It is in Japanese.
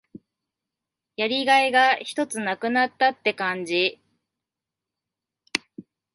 やりがいがひとつ無くなったって感じ。